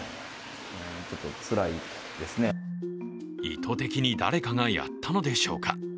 意図的に誰かがやったのでしょうか？